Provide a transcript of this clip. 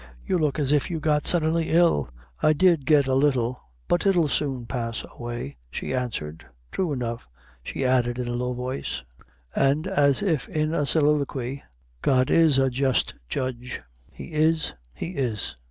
"You look as if you got suddenly ill." "I did get a little but it'll soon pass away," she answered "thrue enough," she added in a low voice, and as if in a soliloquy; "God is a just Judge he is he is!